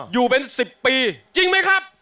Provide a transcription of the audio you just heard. อยู่เป็น๑๐ปีจริงไหมครับ